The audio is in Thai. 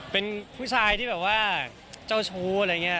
เป็นผู้ชายที่แบบว่าเจ้าชู้อะไรอย่างนี้